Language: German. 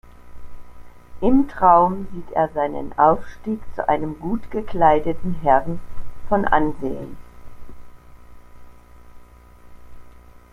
Im Traum sieht er seinen Aufstieg zu einem gut gekleideten Herrn von Ansehen.